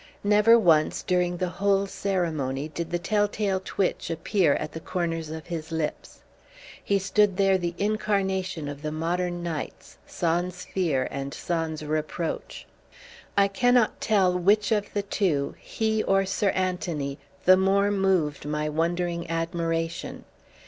Never once, during the whole ceremony, did the tell tale twitch appear at the corners of his lips. He stood there the incarnation of the modern knights sans fear and sans reproach. I cannot tell which of the two, he or Sir Anthony, the more moved my wondering admiration.